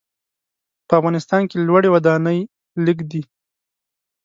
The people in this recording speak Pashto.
په افغانستان کې لوړې ودانۍ لږ دي.